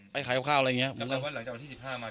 ไปขายกับข้าวอะไรอย่างเงี้ย